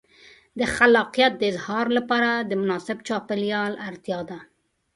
د خلاقیت د اظهار لپاره د مناسب چاپېریال اړتیا ده.